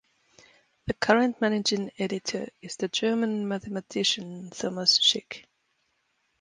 The current managing editor is the German mathematician Thomas Schick.